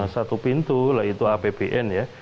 satu pintu lah itu apbn ya